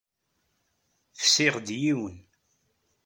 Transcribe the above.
Fsiɣ-d yiwen.